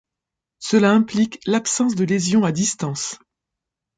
Cela implique l'absence de lésions à distance.